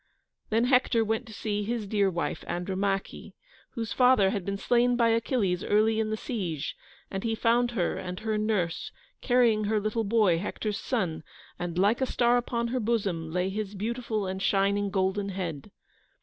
Then Hector went to see his dear wife, Andromache, whose father had been slain by Achilles early in the siege, and he found her and her nurse carrying her little boy, Hector's son, and like a star upon her bosom lay his beautiful and shining golden head.